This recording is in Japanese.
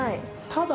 ただ。